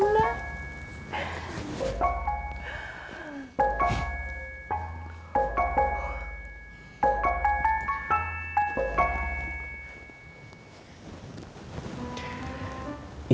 aku udah gak sabar pengen tidur di kasur ya bu aminah